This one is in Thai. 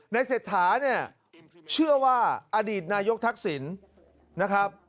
ในเศรษฐาเชื่อว่าอดีตนายกทักศิลป์นะครับ